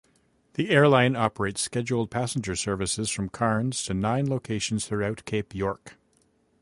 The airline operates scheduled passenger services from Cairns to nine locations throughout Cape York.